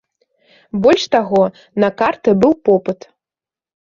Больш таго, на карты быў попыт.